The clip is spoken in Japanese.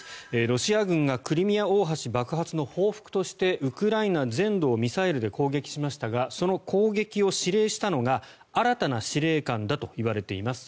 ロシア軍がクリミア大橋爆発の報復としてウクライナ全土をミサイルで攻撃しましたがその攻撃を指令したのが新たな司令官だといわれています。